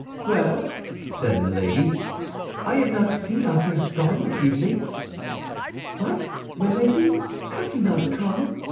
"Well," said Milady, "I have not seen our Gascon this evening." "What, Milady! has he not come?"